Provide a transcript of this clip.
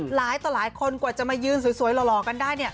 หลายคนกว่าจะมายืนสวยหล่อกันได้เนี่ย